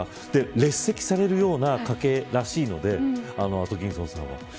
列席されるような家系らしいのでアトキンソンさんは。